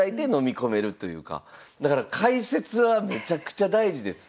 だから解説はめちゃくちゃ大事です。